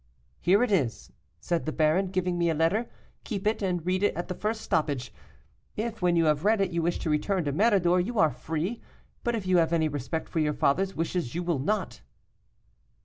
'Here it is,' said the baron, giving me a letter, 'keep it, and read it at the first stoppage. If, when you have read it, you wish to return to Méridor, you are free; but if you have any respect for your father's wishes you will not.